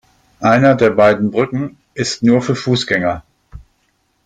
Eine der beiden Brücken ist nur für Fußgänger.